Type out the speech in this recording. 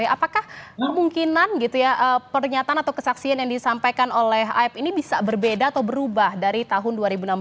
apakah kemungkinan gitu ya pernyataan atau kesaksian yang disampaikan oleh aib ini bisa berbeda atau berubah dari tahun dua ribu enam belas